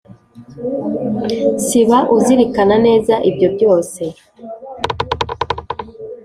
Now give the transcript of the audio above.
siba uzirikana neza ibyo byose